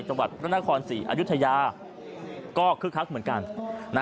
จังหวัดพระนครศรีอายุทยาก็คึกคักเหมือนกันนะ